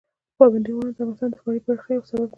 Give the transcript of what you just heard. پابندي غرونه د افغانستان د ښاري پراختیا یو سبب دی.